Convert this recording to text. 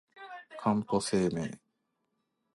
かんぽ生命